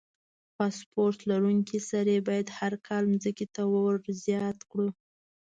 فاسفورس لرونکي سرې باید هر کال ځمکې ته ور زیات کړو.